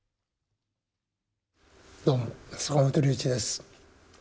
どうも、坂本龍一です。